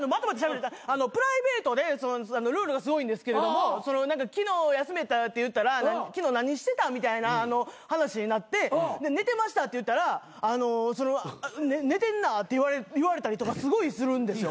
プライベートでルールがすごいんですけれども昨日休みやったって言ったら昨日何してたみたいな話になって寝てましたって言ったら「寝てんな」って言われたりとかすごいするんですよ。